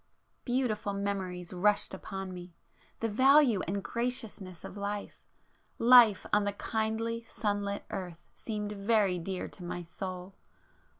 Beautiful memories rushed upon me,—the value and graciousness of life,—life on the kindly sunlit earth,—seemed very dear to my soul!